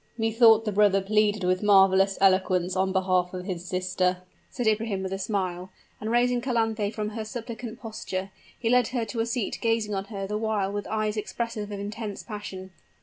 "Methought the brother pleaded with marvelous eloquence on behalf of his sister," said Ibrahim, with a smile; and raising Calanthe from her suppliant posture, he led her to a seat, gazing on her the while with eyes expressive of intense passion.